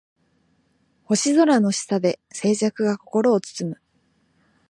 星空の下で静寂が心を包む